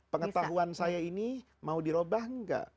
pengetahuan saya ini mau di robah enggak